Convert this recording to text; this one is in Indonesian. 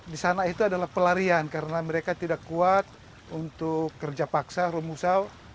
di sana itu adalah pelarian karena mereka tidak kuat untuk kerja paksa rumusyaw